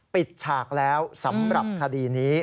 ฉากแล้วสำหรับคดีนี้